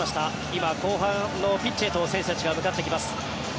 今、後半のピッチへと選手たちが向かっていきます。